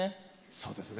そうですね。